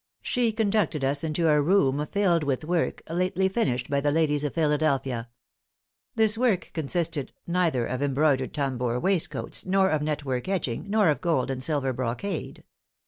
She conducted us into a room filled with work, lately finished by the ladies of Philadelphia. This work consisted neither of embroidered tambour waistcoats, nor of net work edging, nor of gold and silver brocade.